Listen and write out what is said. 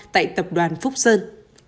tại tập đoàn phúc sơn